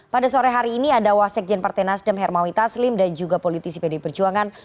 pada sore hari ini ada wasekjen partai nasdem hermawi taslim dan juga politisi pd perjuangan